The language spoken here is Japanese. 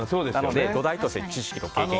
土台として知識と経験が。